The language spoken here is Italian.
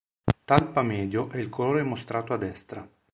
Talpa medio è il colore mostrato a destra.